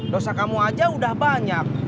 dosa kamu aja udah banyak